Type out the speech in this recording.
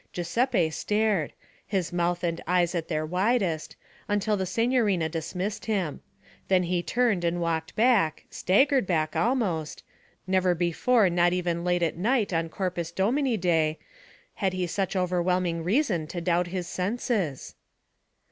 Giuseppe stared, his mouth and eyes at their widest, until the signorina dismissed him; then he turned and walked back staggered back almost never before not even late at night on Corpus Domini day, had he had such overwhelming reason to doubt his senses.